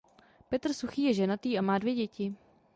Petr Suchý je ženatý a má dvě děti.